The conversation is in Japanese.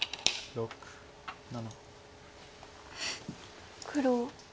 ６７。